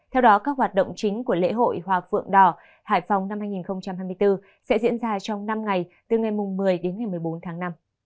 theo đó các hoạt động chính của lễ hội hoa phượng đỏ hải phòng năm hai nghìn hai mươi bốn sẽ diễn ra trong năm ngày từ ngày một mươi đến ngày một mươi bốn tháng năm